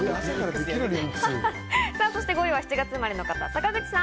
そして５位は７月生まれの方、坂口さん。